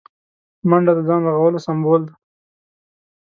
منډه د ځان رغولو سمبول دی